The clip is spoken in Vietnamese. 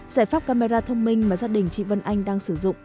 giải pháp camera thông minh mà gia đình chị vân anh đang sử dụng